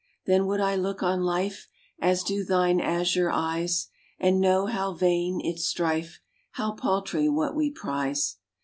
Then would I look on life As do thine azure eyes, And know how vain its strife, How paltry what we prize.